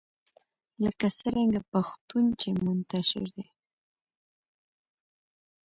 لکه څرنګه پښتون چې منتشر دی